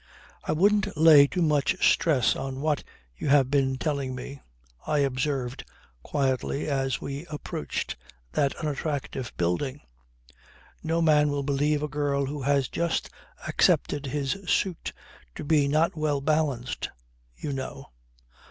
"I wouldn't lay too much stress on what you have been telling me," I observed quietly as we approached that unattractive building. "No man will believe a girl who has just accepted his suit to be not well balanced, you know."